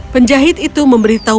penjahit itu memberitahu